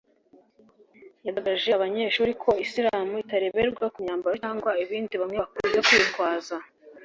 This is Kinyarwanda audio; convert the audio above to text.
yagaragarije aba banyeshuri ko Islam itareberwa ku myambaro cyangwa ibindi bamwe bakunze kwitwaza